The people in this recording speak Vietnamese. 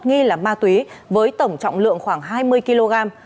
nghi là ma túy với tổng trọng lượng khoảng hai mươi kg